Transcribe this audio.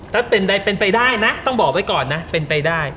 ถ้าเป็นไปได้นะต้องบอกไว้ก่อนนะเป็นไปได้